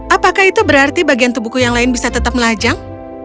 apakah itu berarti bagian tubuhku yang lain bisa tetap melajang